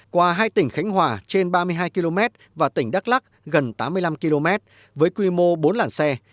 qua hai tỉnh khánh hòa trên ba mươi hai km và tỉnh đắk lắc gần tám mươi năm km với quy mô bốn làn xe